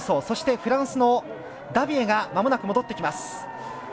そしてフランスのダビエが戻ってきます。